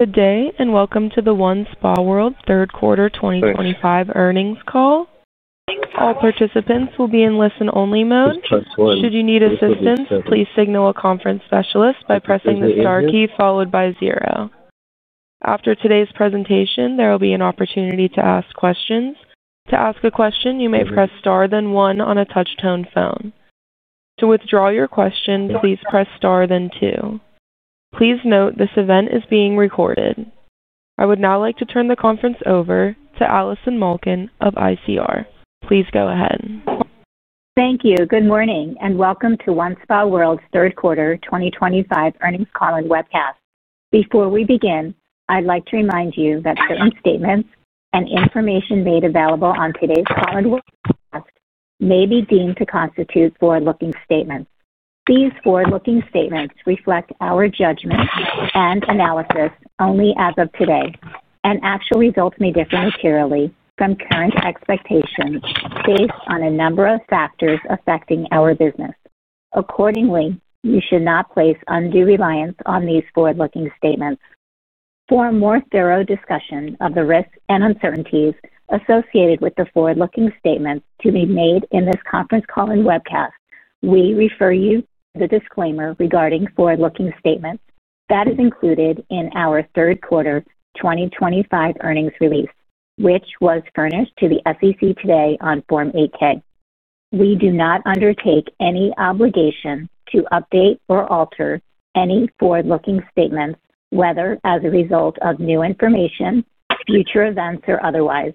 Good day and welcome to the OneSpaWorld third quarter 2025 earnings call. All participants will be in listen-only mode. Should you need assistance, please signal a conference specialist by pressing the star key followed by zero. After today's presentation, there will be an opportunity to ask questions. To ask a question, you may press star then one on a touch-tone phone. To withdraw your question, please press star then two. Please note this event is being recorded. I would now like to turn the conference over to Allison Malkin of ICR. Please go ahead. Thank you. Good morning and welcome to OneSpaWorld's third quarter 2025 earnings call and webcast. Before we begin, I'd like to remind you that certain statements and information made available on today's call and webcast may be deemed to constitute forward-looking statements. These forward-looking statements reflect our judgment and analysis only as of today. Actual results may differ materially from current expectations based on a number of factors affecting our business. Accordingly, you should not place undue reliance on these forward-looking statements. For a more thorough discussion of the risks and uncertainties associated with the forward-looking statements to be made in this conference call and webcast, we refer you to the disclaimer regarding forward-looking statements that is included in our third quarter 2025 earnings release, which was furnished to the SEC today on Form 8-K. We do not undertake any obligation to update or alter any forward-looking statements, whether as a result of new information, future events, or otherwise.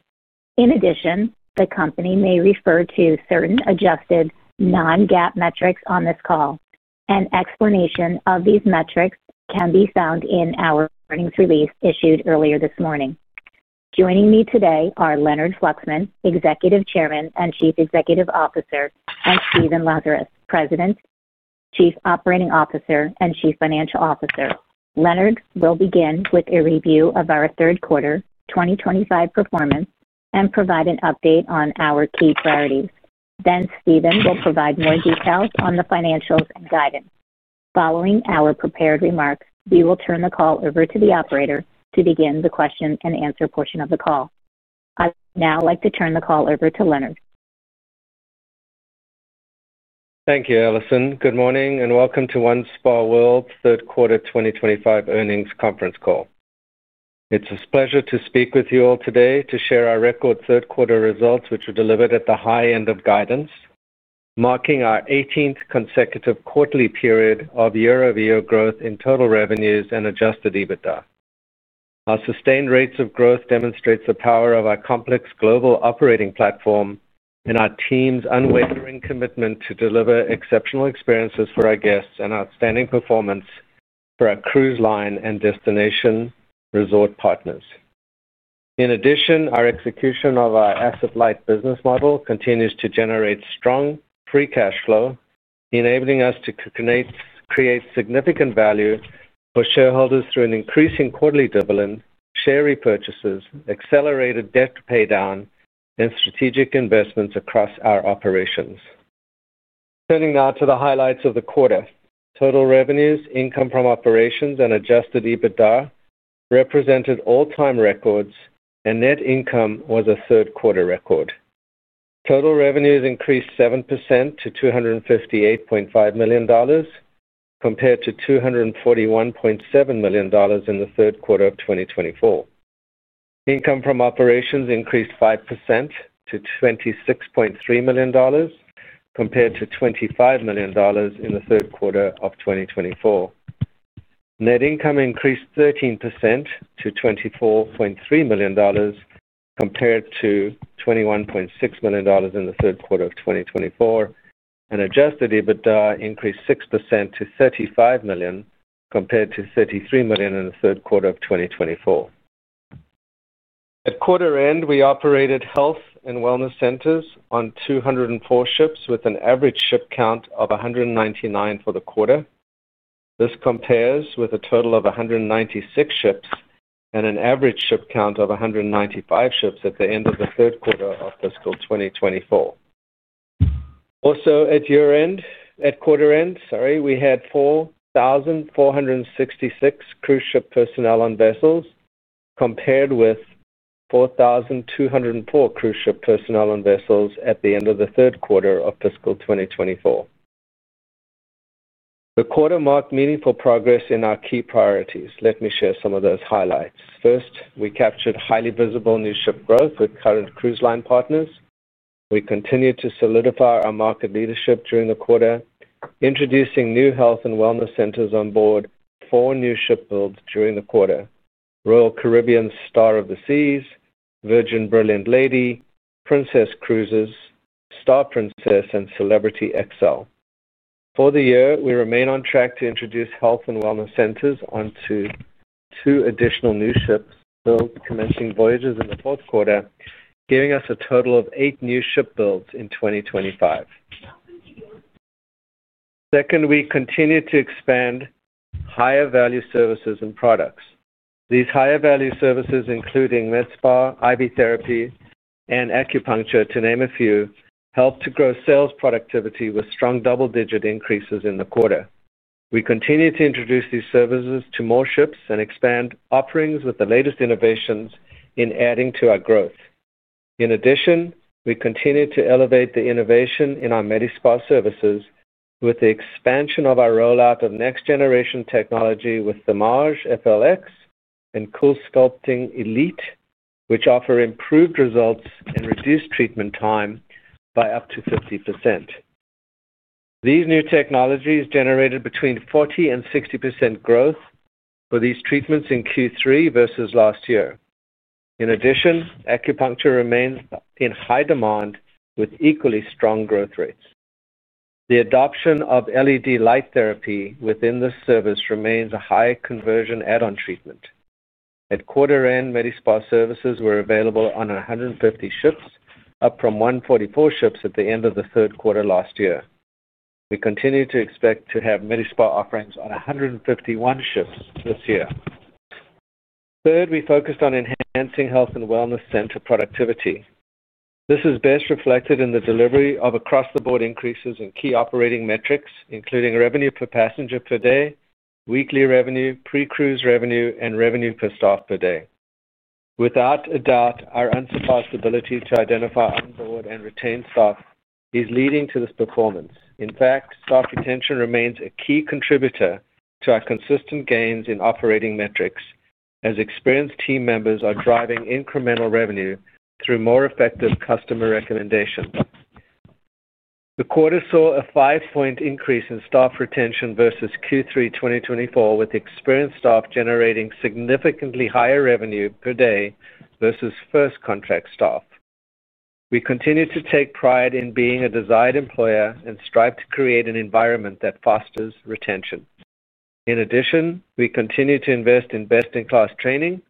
In addition, the company may refer to certain adjusted non-GAAP metrics on this call. An explanation of these metrics can be found in our earnings release issued earlier this morning. Joining me today are Leonard Fluxman, Executive Chairman and Chief Executive Officer, and Stephen Lazarus, President, Chief Operating Officer, and Chief Financial Officer. Leonard will begin with a review of our third quarter 2025 performance and provide an update on our key priorities. Stephen will provide more details on the financials and guidance. Following our prepared remarks, we will turn the call over to the operator to begin the question-and answer-portion of the call. I would now like to turn the call over to Leonard. Thank you, Allison. Good morning and welcome to OneSpaWorld's third quarter 2025 earnings conference call. It's a pleasure to speak with you all today to share our record third quarter results, which were delivered at the high end of guidance, marking our 18th consecutive quarterly period of year-over-year growth in total revenues and adjusted EBITDA. Our sustained rates of growth demonstrate the power of our complex global operating platform and our team's unwavering commitment to deliver exceptional experiences for our guests and outstanding performance for our cruise line and destination resort partners. In addition, our execution of our asset-light business model continues to generate strong free cash flow, enabling us to create significant value for shareholders through an increasing quarterly dividend, share repurchases, accelerated debt paydown, and strategic investments across our operations. Turning now to the highlights of the quarter, total revenues, income from operations, and adjusted EBITDA represented all-time records, and net income was a third quarter record. Total revenues increased 7% to $258.5 million compared to $241.7 million in the third quarter of 2024. Income from operations increased 5% to $26.3 million compared to $25 million in the third quarter of 2024. Net income increased 13% to $24.3 million compared to $21.6 million in the third quarter of 2024, and adjusted EBITDA increased 6% to $35 million compared to $33 million in the third quarter of 2024. At quarter end, we operated health and wellness centers on 204 ships with an average ship count of 199 for the quarter. This compares with a total of 196 ships and an average ship count of 195 ships at the end of the third quarter of fiscal 2024. At quarter end, we had 4,466 cruise ship personnel on vessels compared with 4,204 cruise ship personnel on vessels at the end of the third quarter of fiscal 2024. The quarter marked meaningful progress in our key priorities. Let me share some of those highlights. First, we captured highly visible new ship growth with current cruise line partners. We continued to solidify our market leadership during the quarter, introducing new health and wellness centers on board four new ship builds during the quarter: Royal Caribbean Star of the Seas, Virgin Brilliant Lady, Princess Cruises Star Princess, and Celebrity XL. For the year, we remain on track to introduce health and wellness centers onto two additional new ship builds commencing voyages in the fourth quarter, giving us a total of eight new ship builds in 2025. Second, we continue to expand higher value services and products. These higher value services, including Medi-Spa, IV Therapy, and acupuncture, to name a few, helped to grow sales productivity with strong double-digit increases in the quarter. We continue to introduce these services to more ships and expand offerings with the latest innovations in adding to our growth. In addition, we continue to elevate the innovation in our Medi-Spa services with the expansion of our rollout of next-generation technology with Thermage FLX and CoolSculpting Elite, which offer improved results and reduce treatment time by up to 50%. These new technologies generated between 40% and 60% growth for these treatments in Q3 versus last year. In addition, acupuncture remains in high demand with equally strong growth rates. The adoption of LED light therapy within this service remains a high conversion add-on treatment. At quarter end, Medi-Spa services were available on 150 ships, up from 144 ships at the end of the third quarter last year. We continue to expect to have Medi-Spa offerings on 151 ships this year. Third, we focused on enhancing health and wellness center productivity. This is best reflected in the delivery of across-the-board increases in key operating metrics, including revenue per passenger per day, weekly revenue, pre-cruise revenue, and revenue per staff per day. Without a doubt, our unsurpassed ability to identify, onboard, and retain staff is leading to this performance. In fact, staff retention remains a key contributor to our consistent gains in operating metrics, as experienced team members are driving incremental revenue through more effective customer recommendations. The quarter saw a five-point increase in staff retention versus Q3 2024, with experienced staff generating significantly higher revenue per day versus first contract staff. We continue to take pride in being a desired employer and strive to create an environment that fosters retention. In addition, we continue to invest in best-in-class training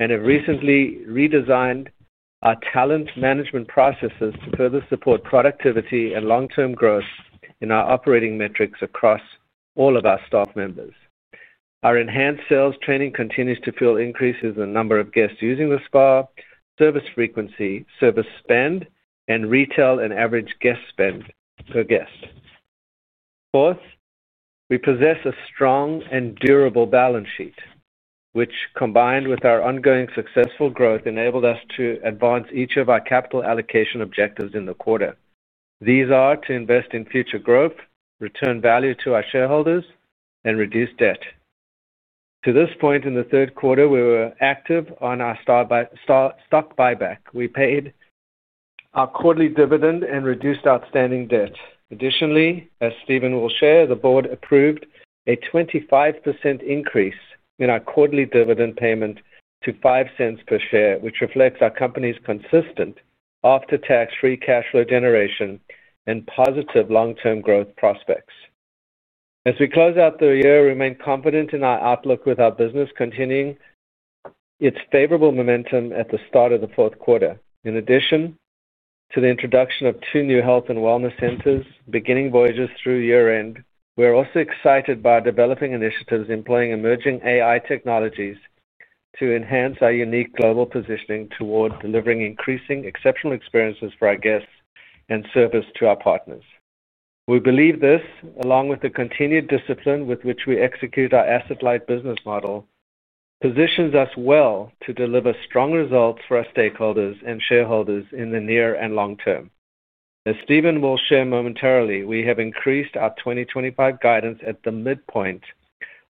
and have recently redesigned our talent management processes to further support productivity and long-term growth in our operating metrics across all of our staff members. Our enhanced sales training continues to fill increases in the number of guests using the spa, service frequency, service spend, and retail and average guest spend per guest. Fourth, we possess a strong and durable balance sheet, which, combined with our ongoing successful growth, enabled us to advance each of our capital allocation objectives in the quarter. These are to invest in future growth, return value to our shareholders, and reduce debt. To this point in the third quarter, we were active on our stock buyback. We paid our quarterly dividend and reduced outstanding debt. Additionally, as Stephen will share, the board approved a 25% increase in our quarterly dividend payment to $0.05 per share, which reflects our company's consistent after-tax free cash flow generation and positive long-term growth prospects. As we close out the year, we remain confident in our outlook with our business continuing its favorable momentum at the start of the fourth quarter. In addition to the introduction of two new health and wellness centers beginning voyages through year end, we're also excited by developing initiatives employing emerging AI technologies to enhance our unique global positioning toward delivering increasing exceptional experiences for our guests and service to our partners. We believe this, along with the continued discipline with which we execute our asset-light business model, positions us well to deliver strong results for our stakeholders and shareholders in the near- and long-term. As Stephen will share momentarily, we have increased our 2025 guidance at the midpoint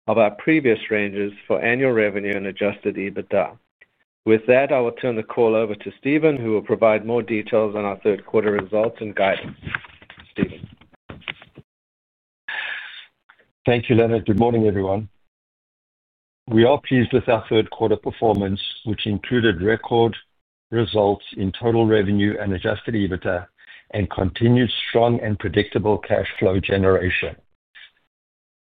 of our previous ranges for annual revenue and adjusted EBITDA. With that, I will turn the call over to Stephen, who will provide more details on our third quarter results and guidance. Stephen. Thank you, Leonard. Good morning, everyone. We are pleased with our third quarter performance, which included record results in total revenue and adjusted EBITDA and continued strong and predictable cash flow generation.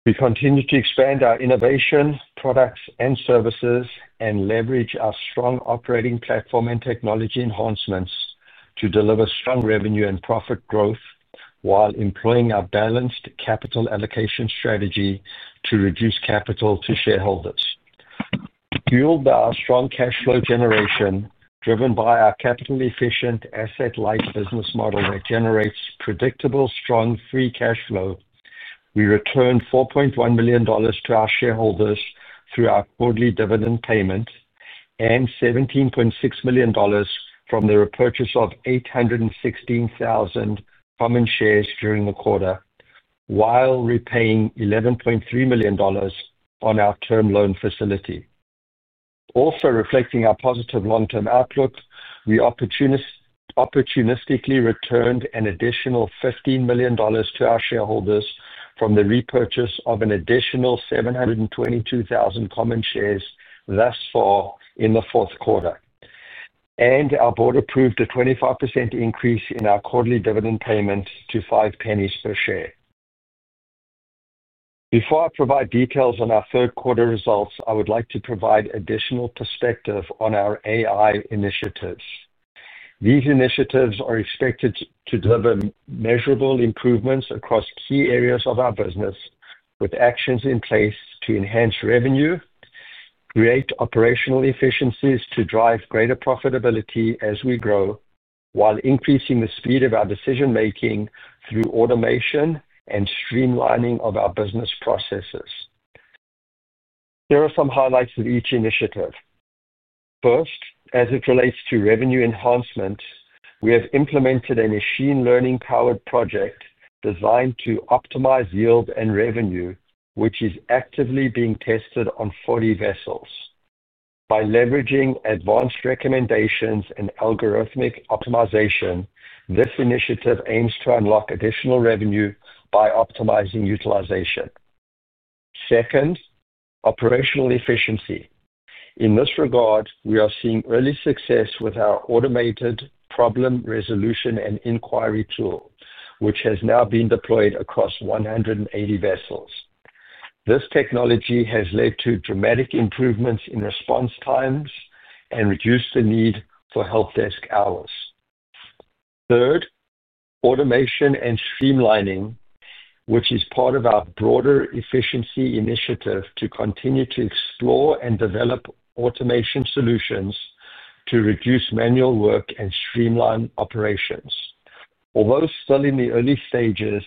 We continue to expand our innovation products and services and leverage our strong operating platform and technology enhancements to deliver strong revenue and profit growth while employing our balanced capital allocation strategy to return capital to shareholders. Fueled by our strong cash flow generation, driven by our capital-efficient asset-light business model that generates predictable, strong free cash flow, we returned $4.1 million to our shareholders through our quarterly dividend payment and $17.6 million from the repurchase of 816,000 common shares during the quarter, while repaying $11.3 million on our term loan facility. Also reflecting our positive long-term outlook, we opportunistically returned an additional $15 million to our shareholders from the repurchase of an additional 722,000 common shares thus far in the fourth quarter. Our board approved a 25% increase in our quarterly dividend payment to $0.05 per share. Before I provide details on our third quarter results, I would like to provide additional perspective on our AI initiatives. These initiatives are expected to deliver measurable improvements across key areas of our business, with actions in place to enhance revenue, create operational efficiencies to drive greater profitability as we grow, while increasing the speed of our decision-making through automation and streamlining of our business processes. Here are some highlights of each initiative. First, as it relates to revenue enhancement, we have implemented a machine learning-powered project designed to optimize yield and revenue, which is actively being tested on 40 vessels. By leveraging advanced recommendations and algorithmic optimization, this initiative aims to unlock additional revenue by optimizing utilization. Second, operational efficiency. In this regard, we are seeing early success with our automated problem resolution and inquiry tool, which has now been deployed across 180 vessels. This technology has led to dramatic improvements in response times and reduced the need for help desk hours. Third, automation and streamlining, which is part of our broader efficiency initiative to continue to explore and develop automation solutions to reduce manual work and streamline operations. Although still in the early stages,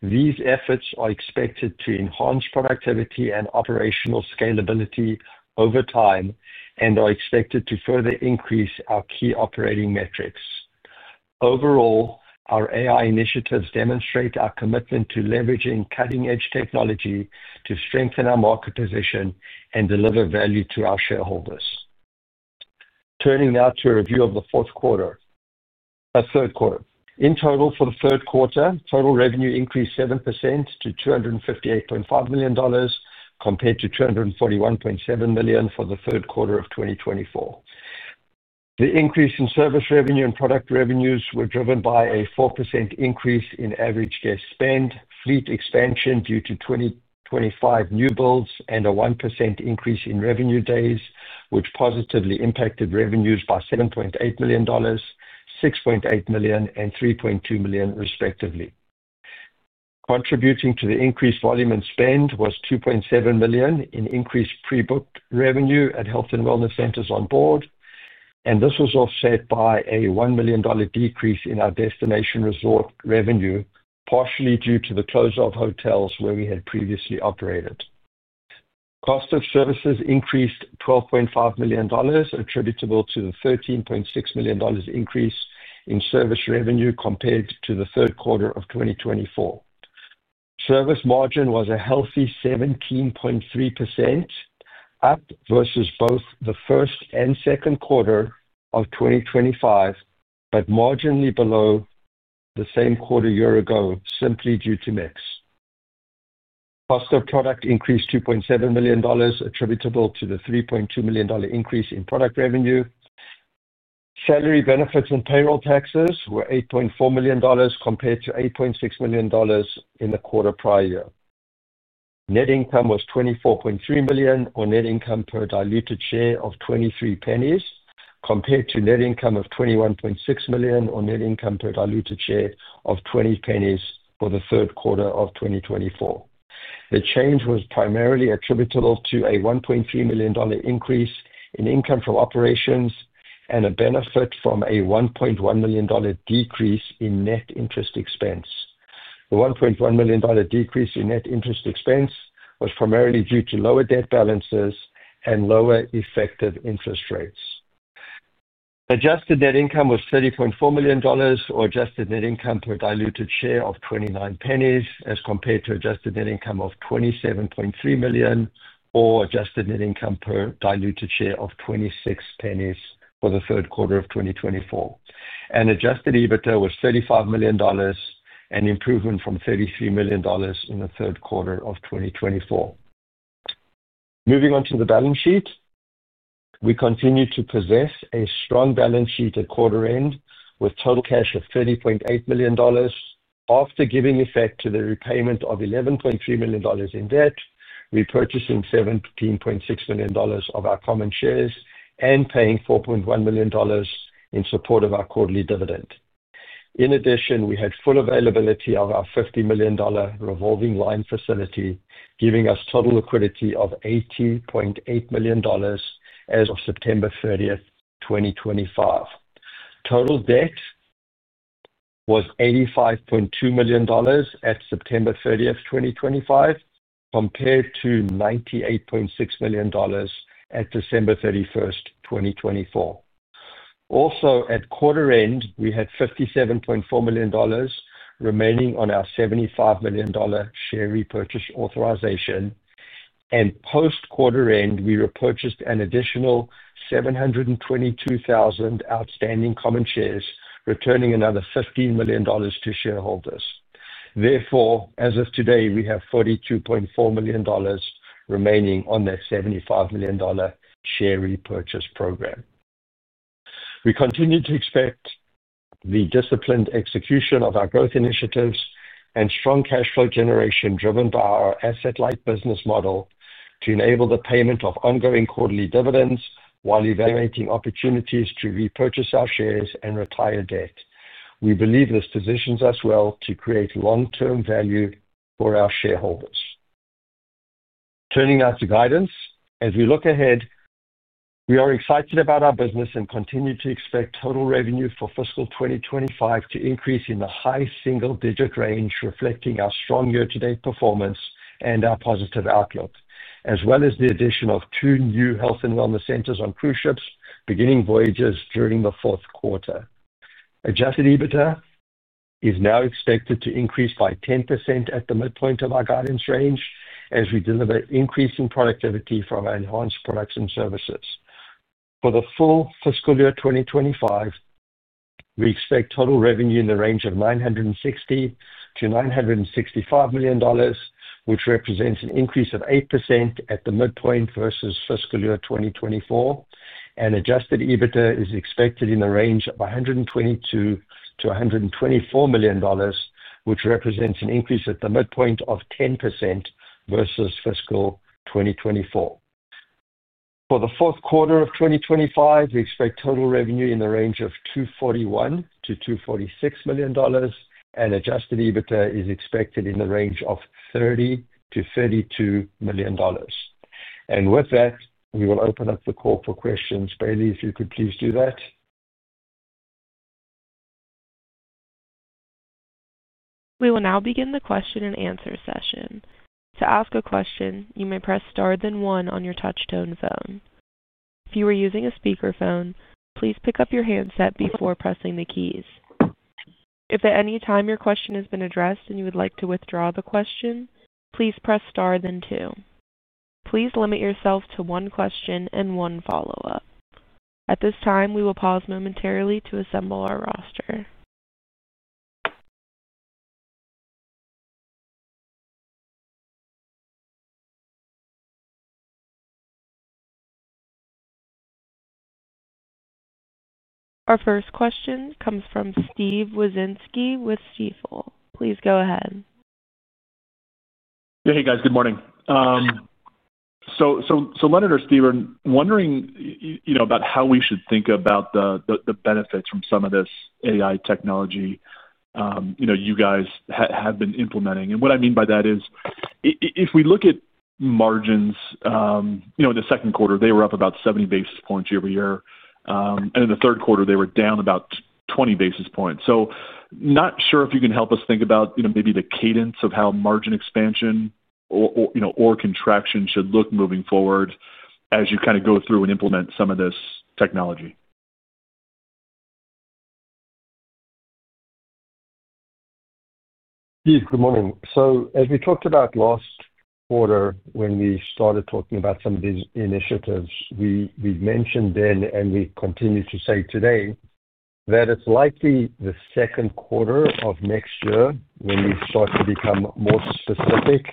these efforts are expected to enhance productivity and operational scalability over time and are expected to further increase our key operating metrics. Overall, our AI initiatives demonstrate our commitment to leveraging cutting-edge technology to strengthen our market position and deliver value to our shareholders. Turning now to a review of the our third quarter. In total, for the third quarter, total revenue increased 7% to $258.5 million compared to $241.7 million for the third quarter of 2024. The increase in service revenue and product revenues were driven by a 4% increase in average guest spend, fleet expansion due to 2025 new builds, and a 1% increase in revenue days, which positively impacted revenues by $7.8 million, $6.8 million, and $3.2 million, respectively. Contributing to the increased volume and spend was $2.7 million in increased pre-booked revenue at health and wellness centers on board, and this was offset by a $1 million decrease in our destination resort revenue, partially due to the close of hotels where we had previously operated. Cost of services increased $12.5 million, attributable to the $13.6 million increase in service revenue compared to the third quarter of 2024. Service margin was a healthy 17.3% up versus both the first and second quarter of 2025, but marginally below the same quarter a year ago, simply due to mix. Cost of product increased $2.7 million, attributable to the $3.2 million increase in product revenue. Salary benefits and payroll taxes were $8.4 million compared to $8.6 million in the quarter prior. Net income was $24.3 million, or net income per diluted share of $0.23, compared to net income of $21.6 million, or net income per diluted share of $0.20 for the third quarter of 2024. The change was primarily attributable to a $1.3 million increase in income from operations and a benefit from a $1.1 million decrease in net interest expense. The $1.1 million decrease in net interest expense was primarily due to lower debt balances and lower effective interest rates. Adjusted net income was $30.4 million, or adjusted net income per diluted share of $0.29, as compared to adjusted net income of $27.3 million, or adjusted net income per diluted share of $0.26 for the third quarter of 2024. Adjusted EBITDA was $35 million, an improvement from $33 million in the third quarter of 2024. Moving on to the balance sheet, we continue to possess a strong balance sheet at quarter end with total cash of $30.8 million. After giving effect to the repayment of $11.3 million in debt, repurchasing $17.6 million of our common shares, and paying $4.1 million in support of our quarterly dividend. In addition, we had full availability of our $50 million revolving line facility, giving us total liquidity of $80.8 million as of September 30th, 2025. Total debt was $85.2 million at September 30th, 2025, compared to $98.6 million at December 31st, 2024. Also, at quarter end, we had $57.4 million remaining on our $75 million share repurchase authorization. Post-quarter end, we repurchased an additional 722,000 outstanding common shares, returning another $15 million to shareholders. Therefore, as of today, we have $42.4 million remaining on that $75 million share repurchase program. We continue to expect the disciplined execution of our growth initiatives and strong cash flow generation driven by our asset-light business model to enable the payment of ongoing quarterly dividends while evaluating opportunities to repurchase our shares and retire debt. We believe this positions us well to create long-term value for our shareholders. Turning now to guidance, as we look ahead, we are excited about our business and continue to expect total revenue for fiscal 2025 to increase in the high single-digit range, reflecting our strong year-to-date performance and our positive outlook, as well as the addition of two new health and wellness centers on cruise ships, beginning voyages during the fourth quarter. Adjusted EBITDA is now expected to increase by 10% at the midpoint of our guidance range, as we deliver increasing productivity from our enhanced products and services. For the full fiscal year 2025, we expect total revenue in the range of $960 to $965 million, which represents an increase of 8% at the midpoint versus fiscal year 2024. Adjusted EBITDA is expected in the range of $122 million-$124 million, which represents an increase at the midpoint of 10% versus fiscal 2024. For the fourth quarter of 2025, we expect total revenue in the range of $241 million-$246 million, and adjusted EBITDA is expected in the range of $30 million-$32 million. With that, we will open up the call for questions. Bailey, if you could please do that. We will now begin the question-and-answer session. To ask a question, you may press star then one on your touch-tone phone. If you are using a speakerphone, please pick up your handset before pressing the keys. If at any time your question has been addressed and you would like to withdraw the question, please press star then two. Please limit yourself to one question and one follow-up. At this time, we will pause momentarily to assemble our roster. Our first question comes from Steve Wieczynski with Stifel. Please go ahead. Yeah, hey guys, good morning. Leonard or Steve, I'm wondering about how we should think about the benefits from some of this AI technology you guys have been implementing. What I mean by that is, if we look at margins in the second quarter, they were up about 70 basis points year-over-year, and in the third quarter, they were down about 20 basis points. Not sure if you can help us think about maybe the cadence of how margin expansion or contraction should look moving forward as you kind of go through and implement some of this technology. Good morning. As we talked about last quarter when we started talking about some of these initiatives, we mentioned then, and we continue to say today, that it's likely the second quarter of next year when we start to become more specific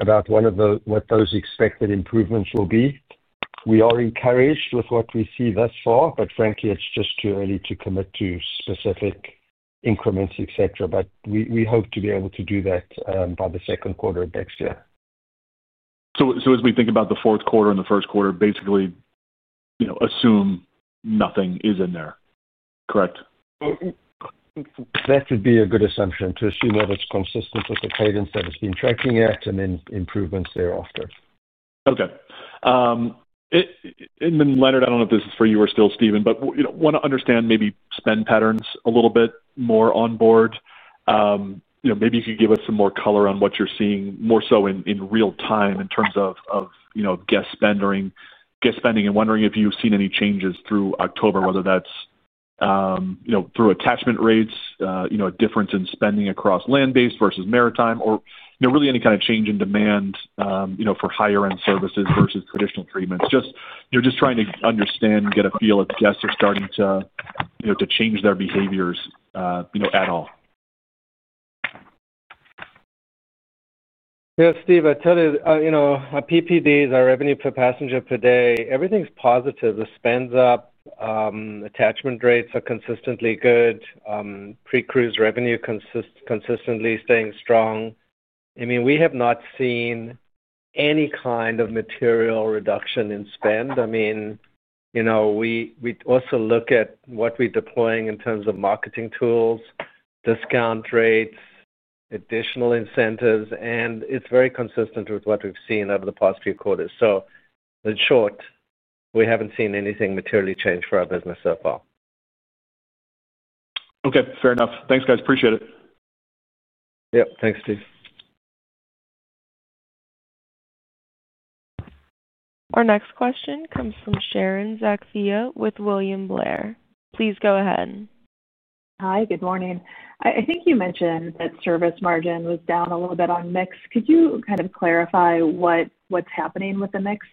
about what those expected improvements will be. We are encouraged with what we see thus far, but frankly, it's just too early to commit to specific increments, etc. We hope to be able to do that by the second quarter of next year. As we think about the fourth quarter and the first quarter, basically, you know, assume nothing is in there, correct? That would be a good assumption to assume that it's consistent with the cadence that it's been tracking at, and then improvements thereafter. Okay, and then Leonard, I don't know if this is for you or Stephen, but we want to understand maybe spend patterns a little bit more on board. You know, maybe you could give us some more color on what you're seeing more so in real time in terms of, you know, guest spending, and wondering if you've seen any changes through October, whether that's, you know, through attachment rates, a difference in spending across land-based versus maritime, or really any kind of change in demand for higher-end services versus traditional treatments. Just trying to understand and get a feel if guests are starting to change their behaviors at all. Yeah, Steve, I tell you, our PPDs, our revenue per passenger per day, everything's positive. The spend's up, attachment rates are consistently good. Pre-cruise revenue consistently staying strong. I mean, we have not seen any kind of material reduction in spend. We also look at what we're deploying in terms of marketing tools, discount rates, additional incentives, and it's very consistent with what we've seen over the past few quarters. In short, we haven't seen anything materially change for our business so far. Okay. Fair enough. Thanks, guys. Appreciate it. Yep. Thanks, Steve. Our next question comes from Sharon Zackfia with William Blair. Please go ahead. Hi, good morning. I think you mentioned that service margin was down a little bit on mix. Could you kind of clarify what's happening with the mix?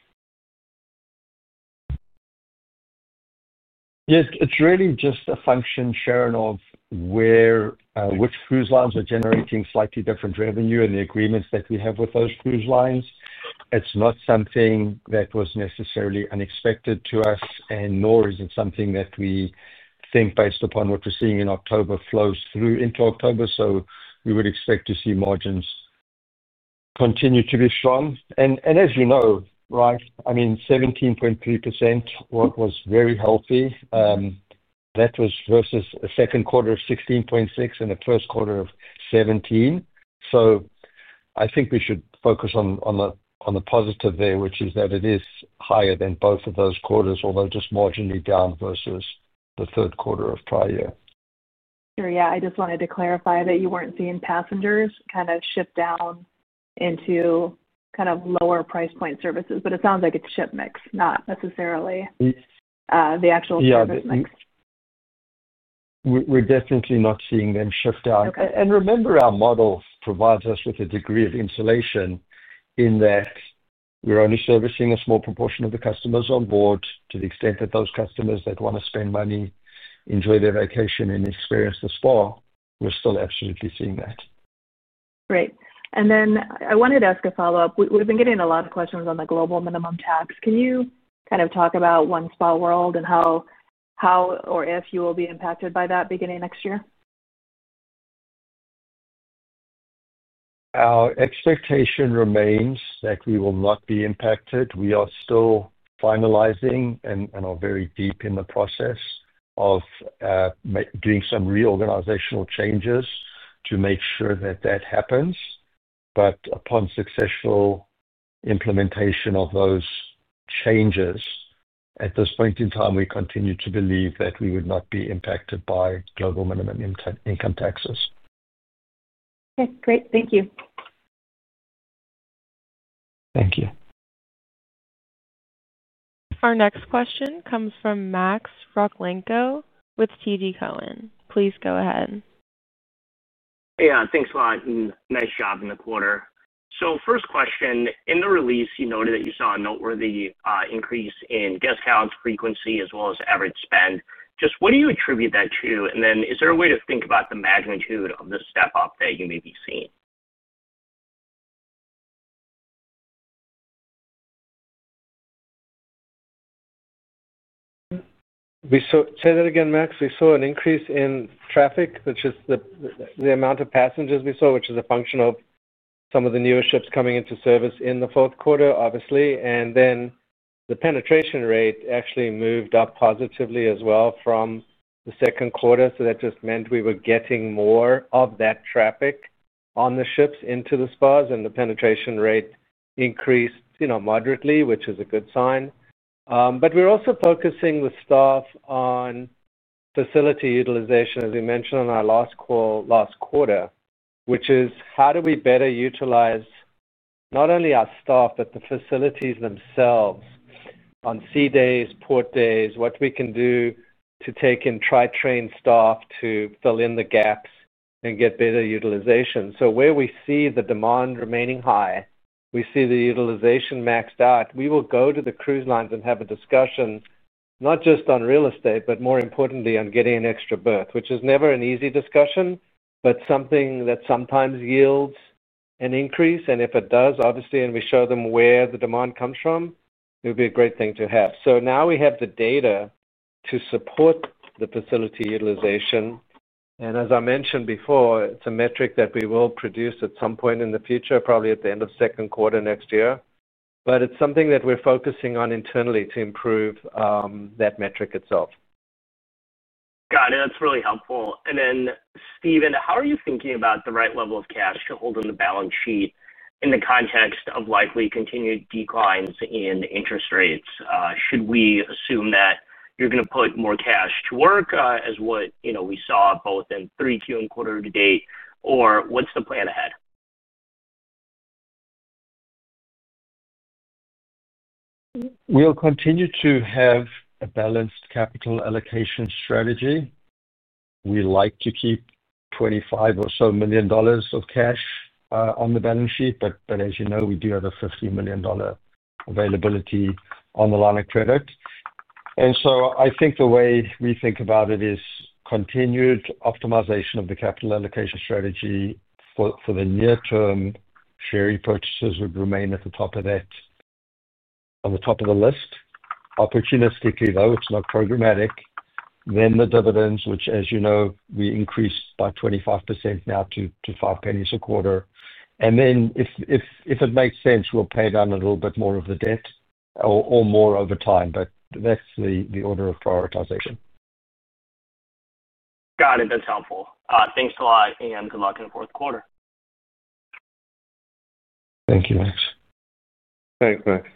Yes, it's really just a function, Sharon, of where, which cruise lines are generating slightly different revenue and the agreements that we have with those cruise lines. It's not something that was necessarily unexpected to us, nor is it something that we think, based upon what we're seeing in October, flows through into October. We would expect to see margins continue to be strong. As we know, 17.3% was very healthy. That was versus a second quarter of 16.6% and a first quarter of 17%. I think we should focus on the positive there, which is that it is higher than both of those quarters, although just marginally down versus the third quarter of prior year. Sure, yeah. I just wanted to clarify that you weren't seeing passengers kind of shift down into lower price point services, but it sounds like it's ship mix, not necessarily the actual service mix. Yeah, we're definitely not seeing them ship down. Our model provides us with a degree of insulation in that we're only servicing a small proportion of the customers on board to the extent that those customers that want to spend money, enjoy their vacation, and experience the spa. We're still absolutely seeing that. Great. I wanted to ask a follow-up. We've been getting a lot of questions on the global minimum tax. Can you kind of talk about OneSpaWorld and how, how or if you will be impacted by that beginning next year? Our expectation remains that we will not be impacted. We are still finalizing and are very deep in the process of doing some reorganizational changes to make sure that happens. Upon successful implementation of those changes, at this point in time, we continue to believe that we would not be impacted by global minimum income taxes. Okay. Great. Thank you. Thank you. Our next question comes from Max Rakhlenko with TD Cowen. Please go ahead. Hey, Allison. Thanks, Martin. Nice job in the quarter. First question, in the release, you noted that you saw a noteworthy increase in guest count, frequency, as well as average spend. What do you attribute that to? Is there a way to think about the magnitude of the step-up that you may be seeing? We saw an increase in traffic, which is the amount of passengers we saw, which is a function of some of the newer ships coming into service in the fourth quarter, obviously. The penetration rate actually moved up positively as well from the second quarter. That just meant we were getting more of that traffic on the ships into the spas, and the penetration rate increased moderately, which is a good sign. We're also focusing the staff on facility utilization, as we mentioned on our last call last quarter, which is how do we better utilize not only our staff but the facilities themselves on sea days, port days, what we can do to train staff to fill in the gaps and get better utilization. Where we see the demand remaining high, we see the utilization maxed out. We will go to the cruise lines and have a discussion not just on real estate but more importantly on getting an extra berth, which is never an easy discussion but something that sometimes yields an increase. If it does, obviously, and we show them where the demand comes from, it would be a great thing to have. Now we have the data to support the facility utilization. As I mentioned before, it's a metric that we will produce at some point in the future, probably at the end of the second quarter next year. It's something that we're focusing on internally to improve, that metric itself. Got it. That's really helpful. Stephen, how are you thinking about the right level of cash to hold in the balance sheet in the context of likely continued declines in interest rates? Should we assume that you're going to put more cash to work, as what we saw both in Q3 and quarter to date, or what's the plan ahead? will continue to have a balanced capital allocation strategy. We like to keep $25 million or so of cash on the balance sheet, as you know. We do have a $50 million availability on the line of credit. I think the way we think about it is continued optimization of the capital allocation strategy. For the near-term, share repurchases would remain at the top of that, on the top of the list. Opportunistically, though, it is not programmatic. Then the dividends, which, as you know, we increased by 25% now to $0.05 a quarter. If it makes sense, we will pay down a little bit more of the debt or more over time. That is the order of prioritization. Got it. That's helpful. Thanks a lot, and good luck in the fourth quarter. Thank you, Max. Thanks, Max.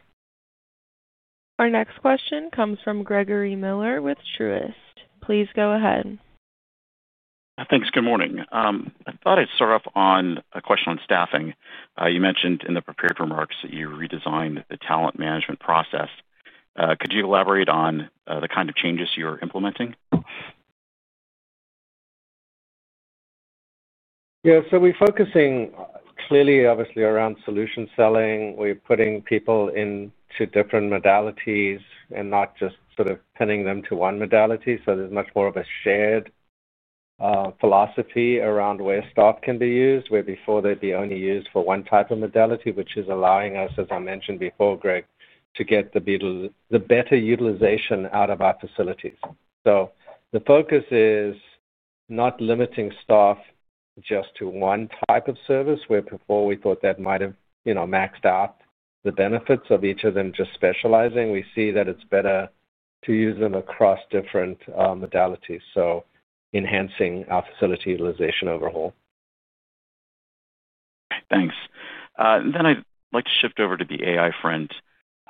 Our next question comes from Gregory Miller with Truist. Please go ahead. Thanks. Good morning. I thought I'd start off on a question on staffing. You mentioned in the prepared remarks that you redesigned the talent management process. Could you elaborate on the kind of changes you're implementing? Yeah. We're focusing, clearly, obviously, around solution selling. We're putting people into different modalities and not just sort of pinning them to one modality. There's much more of a shared philosophy around where staff can be used, where before they'd be only used for one type of modality, which is allowing us, as I mentioned before, Greg, to get the better utilization out of our facilities. The focus is not limiting staff just to one type of service, where before we thought that might have, you know, maxed out the benefits of each of them just specializing. We see that it's better to use them across different modalities, enhancing our facility utilization overall. Thanks. I'd like to shift over to the AI front.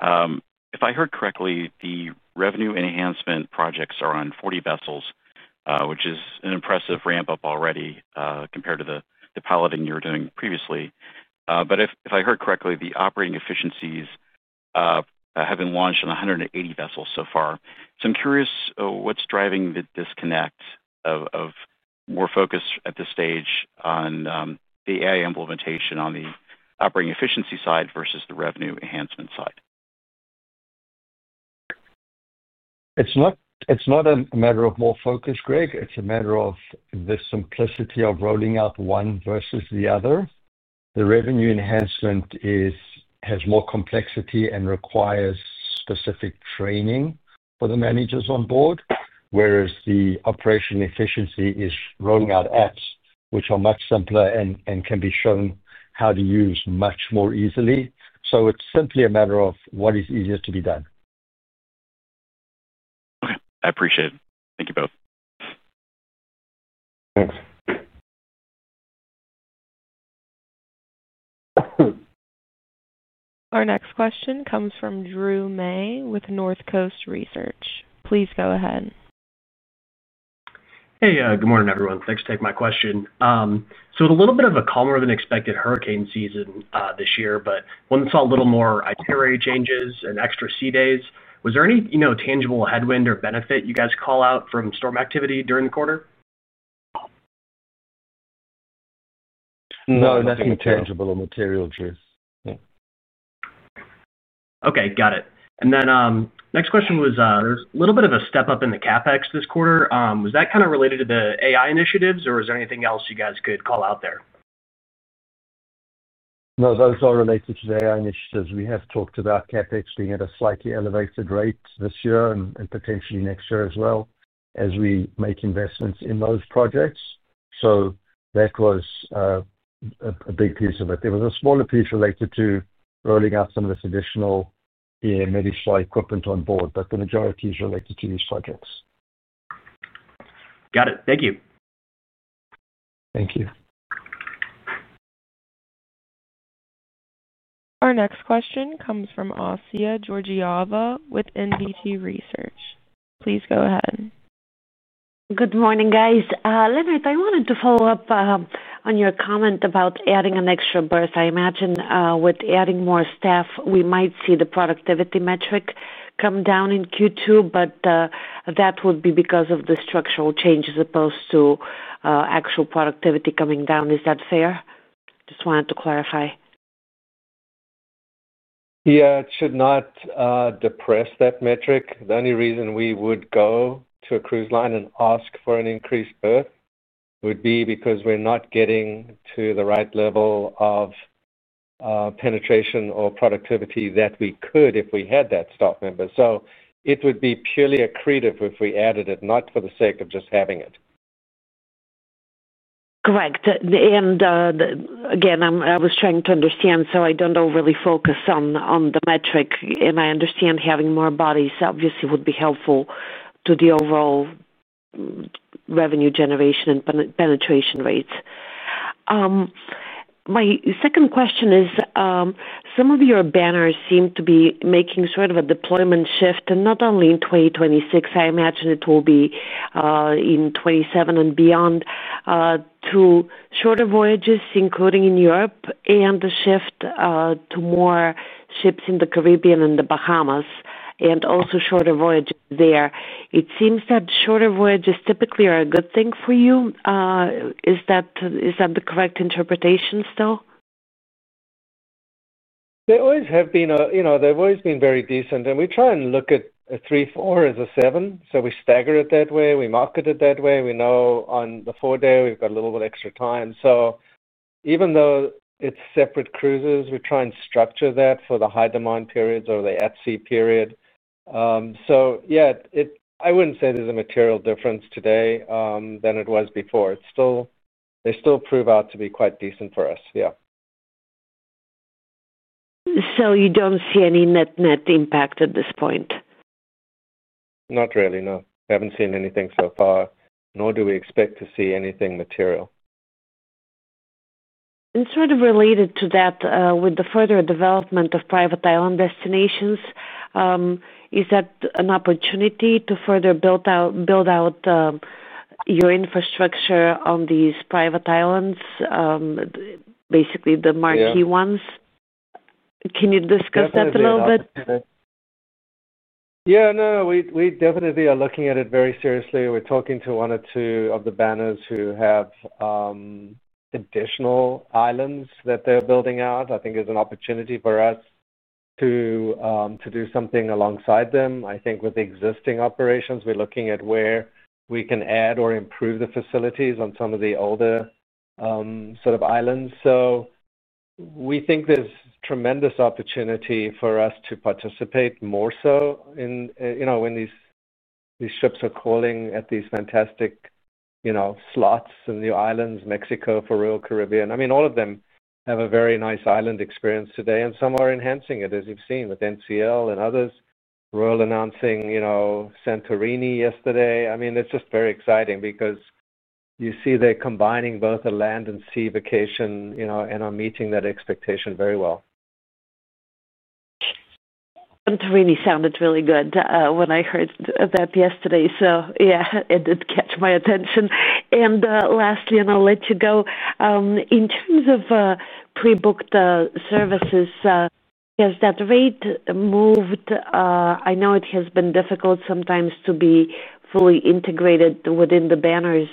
If I heard correctly, the revenue enhancement projects are on 40 vessels, which is an impressive ramp-up already compared to the piloting you were doing previously. If I heard correctly, the operating efficiencies have been launched on 180 vessels so far. I'm curious, what's driving the disconnect of more focus at this stage on the AI implementation on the operating efficiency side versus the revenue enhancement side? It's not a matter of more focus, Greg. It's a matter of the simplicity of rolling out one versus the other. The revenue enhancement has more complexity and requires specific training for the managers on board, whereas the operational efficiency is rolling out apps, which are much simpler and can be shown how to use much more easily. It's simply a matter of what is easiest to be done. Okay. I appreciate it. Thank you both. Our next question comes from Drew May with North Coast Research. Please go ahead. Hey, good morning, everyone. Thanks for taking my question. It's a little bit of a calmer than expected hurricane season this year, but one that saw a little more itinerary changes and extra sea days. Was there any, you know, tangible headwind or benefit you guys call out from storm activity during the quarter? No, nothing tangible or material, Drew. Yeah. Okay. Got it. Next question was, there's a little bit of a step-up in the CapEx this quarter. Was that kind of related to the AI initiatives, or was there anything else you guys could call out there? No, those are related to the AI initiatives. We have talked about CapEx being at a slightly elevated rate this year and potentially next year as well as we make investments in those projects. That was a big piece of it. There was a smaller piece related to rolling out some of this additional, yeah, maybe fly equipment on board, but the majority is related to these projects. Got it. Thank you. Thank you. Our next question comes from Assia Georgieva with NBC Research. Please go ahead. Good morning, guys. Leonard, I wanted to follow up on your comment about adding an extra berth. I imagine with adding more staff, we might see the productivity metric come down in Q2, but that would be because of the structural change as opposed to actual productivity coming down. Is that fair? Just wanted to clarify. Yeah, it should not depress that metric. The only reason we would go to a cruise line and ask for an increased berth would be because we're not getting to the right level of penetration or productivity that we could if we had that staff member. It would be purely accretive if we added it, not for the sake of just having it. Correct. I was trying to understand, so I don't overly focus on the metric. I understand having more bodies, obviously, would be helpful to the overall revenue generation and penetration rates. My second question is, some of your banners seem to be making sort of a deployment shift, and not only in 2026. I imagine it will be, in 2027 and beyond, to shorter voyages, including in Europe, and the shift to more ships in the Caribbean and the Bahamas, and also shorter voyages there. It seems that shorter voyages typically are a good thing for you. Is that the correct interpretation still? They always have been, you know, they've always been very decent. We try and look at a three, four as a seven. We stagger it that way. We market it that way. We know on the four-day, we've got a little bit extra time. Even though it's separate cruises, we try and structure that for the high-demand periods or the at-sea period. I wouldn't say there's a material difference today than it was before. They still prove out to be quite decent for us. You don't see any net-net impact at this point? Not really, no. We haven't seen anything so far, nor do we expect to see anything material. With the further development of private island destinations, is that an opportunity to further build out your infrastructure on these private islands, basically the marquee ones? Yeah. Can you discuss that a little bit? Yeah, no, we definitely are looking at it very seriously. We're talking to one or two of the banners who have additional islands that they're building out. I think there's an opportunity for us to do something alongside them. I think with existing operations, we're looking at where we can add or improve the facilities on some of the older, sort of islands. We think there's tremendous opportunity for us to participate more so in, you know, when these ships are calling at these fantastic, you know, slots and new islands, Mexico, for Royal Caribbean. I mean, all of them have a very nice island experience today, and some are enhancing it, as you've seen, with NCL and others. We're all announcing, you know, Santorini yesterday. I mean, it's just very exciting because you see they're combining both a land and sea vacation, you know, and are meeting that expectation very well. Santorini sounded really good when I heard that yesterday. It did catch my attention. Lastly, in terms of pre-booked services, has that rate moved? I know it has been difficult sometimes to be fully integrated within the banner's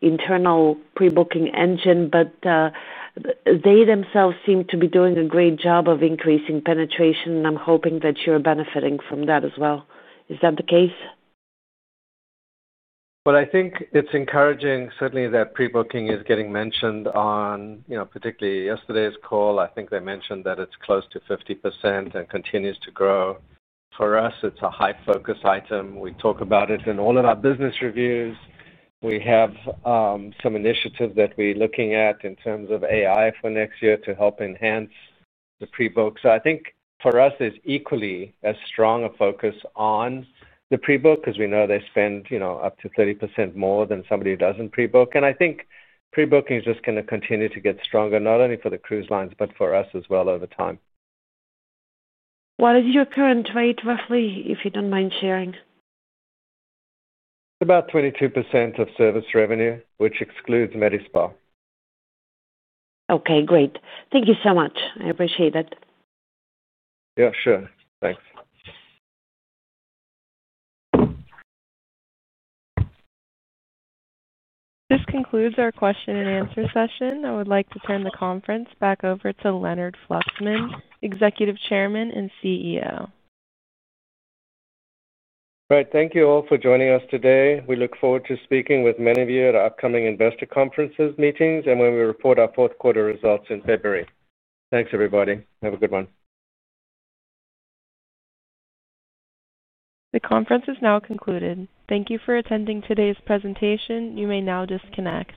internal pre-booking engine, but they themselves seem to be doing a great job of increasing penetration, and I'm hoping that you're benefiting from that as well. Is that the case? I think it's encouraging, certainly, that pre-booking is getting mentioned on, you know, particularly yesterday's call. I think they mentioned that it's close to 50% and continues to grow. For us, it's a high-focus item. We talk about it in all of our business reviews. We have some initiatives that we're looking at in terms of AI for next year to help enhance the pre-book. I think for us, there's equally as strong a focus on the pre-book because we know they spend, you know, up to 30% more than somebody who doesn't pre-book. I think pre-booking is just going to continue to get stronger, not only for the cruise lines but for us as well over time. What is your current rate, roughly, if you don't mind sharing? It's about 22% of service revenue, which excludes Medi-Spa. Okay, great. Thank you so much. I appreciate it. Yeah, sure. Thanks. This concludes our question-and answer session. I would like to turn the conference back over to Leonard Fluxman, Executive Chairman and CEO. Right. Thank you all for joining us today. We look forward to speaking with many of you at our upcoming investor conferences, meetings, and when we report our fourth quarter results in February. Thanks, everybody. Have a good one. The conference is now concluded. Thank you for attending today's presentation. You may now disconnect.